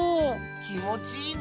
きもちいいの？